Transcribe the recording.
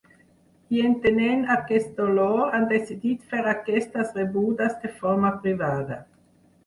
I entenent aquest dolor han decidit fer aquestes rebudes de forma privada.